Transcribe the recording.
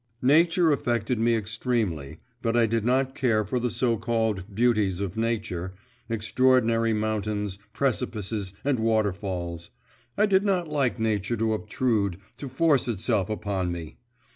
Nature affected me extremely, but I did not care for the so called beauties of nature, extraordinary mountains, precipices, and waterfalls; I did not like nature to obtrude, to force itself upon me.